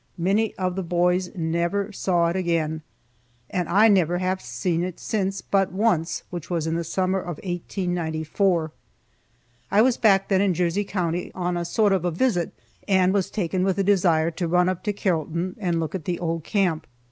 Many of the boys never saw it again, and I never have seen it since but once, which was in the summer of 1894. I was back then in Jersey county, on a sort of a visit, and was taken with a desire to run up to Carrollton and look at the old camp.